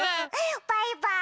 バイバーイ！